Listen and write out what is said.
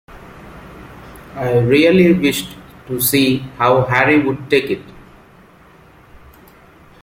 I really wished to see how Harry would take it.